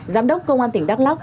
giám đốc công an tỉnh đắk lắk